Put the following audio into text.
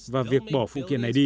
và việc bỏ phụ kiện này đi